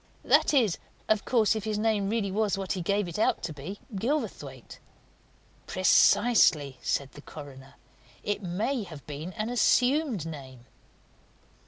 "That is, of course, if his name really was what he gave it out to be Gilverthwaite." "Precisely!" said the coroner. "It may have been an assumed name."